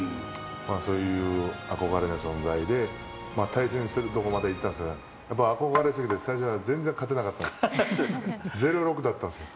そういう憧れの存在で、対戦するところまではいったんですけど、やっぱり憧れ過ぎて、最初は全然勝てなかったんですよ。